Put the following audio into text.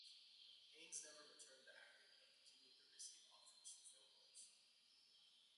Haines never returned to acting, but continued to receive offers for film roles.